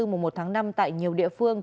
mùa một tháng năm tại nhiều địa phương